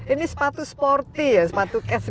ini sepatu sporty ya sepatu cash